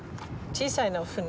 小さいの船。